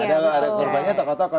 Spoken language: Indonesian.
ada korbannya tokoh tokoh